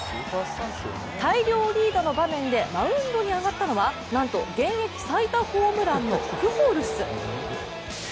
大量リードの場面でマウンドに上がったのはなんと、現役最多ホームランのプホルス。